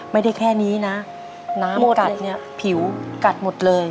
ไม่ได้แค่นี้นะน้ำกัดเนี่ยผิวกัดหมดเลย